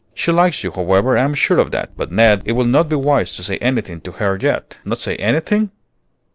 She likes you, however, I am sure of that. But, Ned, it will not be wise to say anything to her yet." "Not say anything?